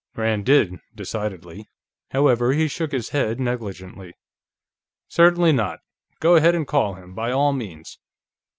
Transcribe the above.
Rand did, decidedly. However, he shook his head negligently. "Certainly not; go ahead and call him, by all means."